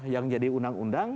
yang jadi undang undang